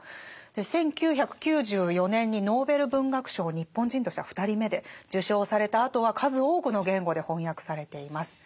１９９４年にノーベル文学賞を日本人としては２人目で受賞されたあとは数多くの言語で翻訳されています。